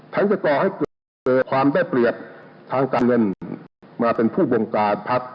และก็จะเกิดกันความได้เปรียบทางการทั้งงานมาเป็นผู้บงการพัก